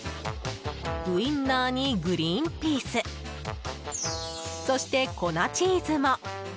ウインナーにグリーンピースそして粉チーズも。